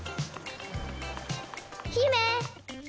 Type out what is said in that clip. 姫！